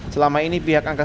selama ini pihak angkasa